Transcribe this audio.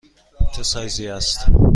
چه سایزی است؟